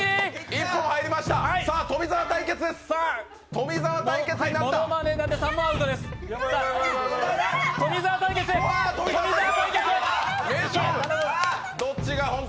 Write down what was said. １本入りました、さあ、富澤対決です、富澤対決となった。